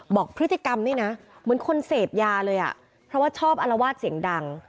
บอกพฤติกรรมนี่นะเหมือนคนเสพยาเลยอ่ะเพราะว่าชอบอลวาดเสียงดัง